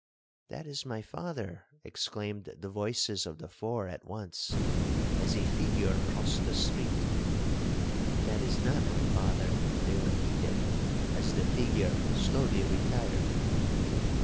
'That is my father,' exclaimed the voices of the four at once, as a figure crossed the street. 'That is not my father,' they repeated, as the figure slowly retired.